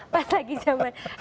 pas lagi zaman